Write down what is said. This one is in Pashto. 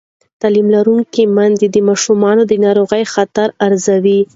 تعلیم لرونکې میندې د ماشومانو د ناروغۍ خطر ارزوي.